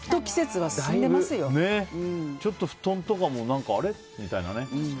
ちょっと布団とかもあれ？みたいなね。